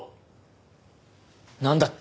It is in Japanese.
なんだって？